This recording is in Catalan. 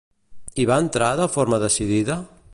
Hi va entrar de forma decidida?